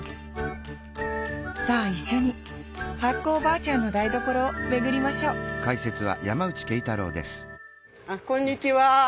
さあ一緒に発酵おばあちゃんの台所を巡りましょうこんにちは